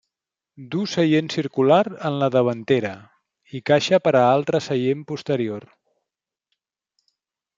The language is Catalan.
Duu seient circular en la davantera i caixa per a altre seient posterior.